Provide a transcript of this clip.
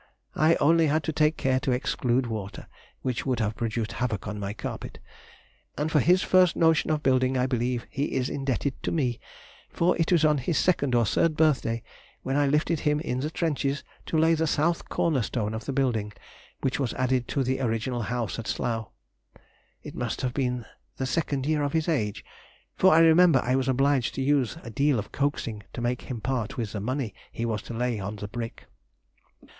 I only had to take care to exclude water, which would have produced havoc on my carpet. And for his first notion of building I believe he is indebted to me, for it was on his second or third birthday when I lifted him in the trenches to lay the south corner stone of the building which was added to the original house at Slough. It must have been the second year of his age, for I remember I was obliged to use a deal of coaxing to make him part with the money he was to lay on the brick.